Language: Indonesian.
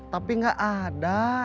tapi gak ada